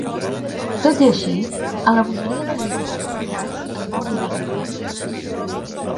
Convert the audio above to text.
Tot i així, en la bogeria de l'intent d'assassinat, es va oblidar de fer-ho.